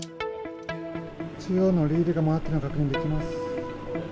中央のリールが回っているのが確認できます。